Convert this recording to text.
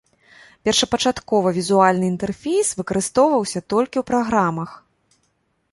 Першапачаткова візуальны інтэрфейс выкарыстоўваўся толькі ў праграмах.